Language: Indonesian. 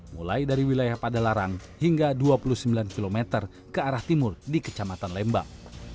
mulai dari wilayah padalarang hingga dua puluh sembilan km ke arah timur di kecamatan lembang